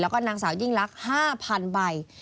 แล้วก็นางสาวยิ่งลักษณ์๕๐๐๐ใบ